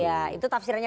ya itu tafsirannya